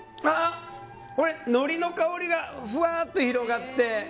のりの香りがふわっと広がって。